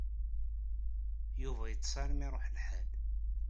Yuba yeḍḍes armi ay iṛuḥ lḥal.